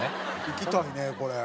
行きたいねこれ。